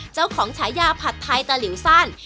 เจ้าของชายาผัดไทยตะหลิวซ่าน